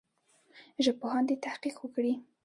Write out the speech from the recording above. ژبپوهان دي تحقیق وکړي.